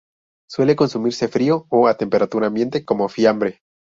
Suele consumirse frío o a temperatura ambiente, como fiambre.